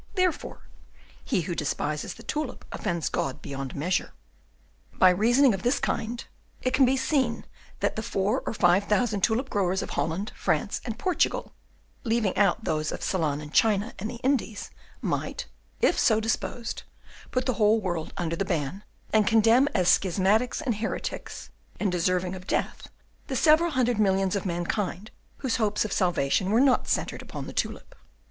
"Therefore, he who despises the tulip offends God beyond measure." By reasoning of this kind, it can be seen that the four or five thousand tulip growers of Holland, France, and Portugal, leaving out those of Ceylon and China and the Indies, might, if so disposed, put the whole world under the ban, and condemn as schismatics and heretics and deserving of death the several hundred millions of mankind whose hopes of salvation were not centred upon the tulip.